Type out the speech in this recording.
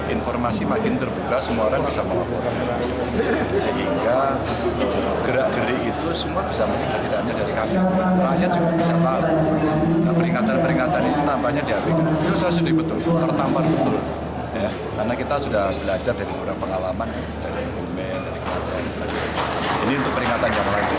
ini untuk peringatan jawa tengah